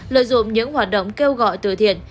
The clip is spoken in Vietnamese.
lợi dụng những hoạt động kêu gọi từ thiện